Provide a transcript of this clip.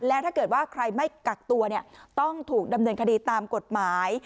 และถ้าเกิดว่าใครไม่กักตัวต้องถูกดำเนินคดีตามกฎหมาย